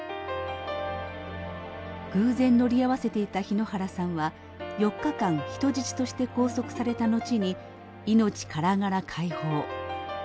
偶然乗り合わせていた日野原さんは４日間人質として拘束された後に命からがら解放。